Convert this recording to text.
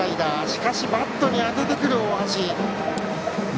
しかしバットに当ててくる大橋。